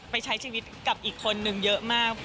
ใช้ชีวิตกับอีกคนนึงเยอะมาก